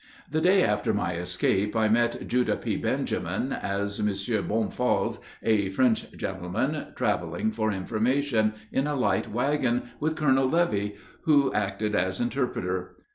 The day after my escape, I met Judah P. Benjamin as M. Bonfals, a French gentleman traveling for information, in a light wagon, with Colonel Leovie, who acted as interpreter.